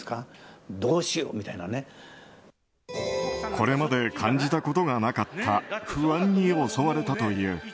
これまで感じたことがなかった不安に襲われたという。